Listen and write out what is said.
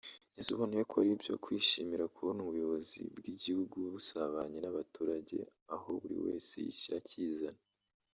yasobanuye ko ari ibyo kwishimira kubona ubuyobozi bw’igihugu busabanye n’abaturage aho buri wese yishyira akizana